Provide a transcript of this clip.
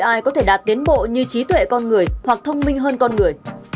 ai có thể đạt tiến bộ như trí tuệ con người hoặc thông minh hơn con người